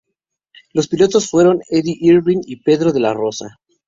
Los pilotos fueron Eddie Irvine y Pedro de la Rosa.